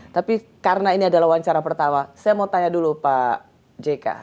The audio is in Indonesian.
tapi karena ini adalah wawancara pertama saya mau tanya dulu pak jk